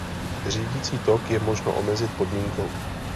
Řídící tok je možno omezit podmínkou.